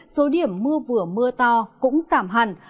số điểm mưa vừa mưa to cũng giảm hẳn